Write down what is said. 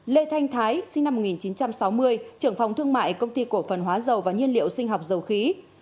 lê thanh thái sinh năm một nghìn chín trăm sáu mươi trưởng phòng thương mại công ty cổ phần hóa dầu và nhiên liệu sinh học dầu khí